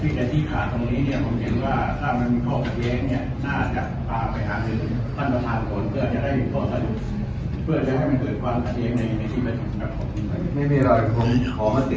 เรื่องของคุณศิรัทธิ์เสนอมาเนี่ยนะมันเป็นหน้าหน้าที่ของเราหรือไม่